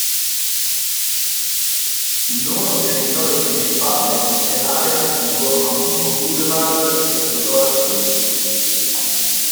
Il loro territorio principale è l'area intorno alla Pico Boulevard e Fedora Street.